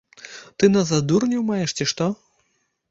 Ты нас за дурняў маеш, ці што?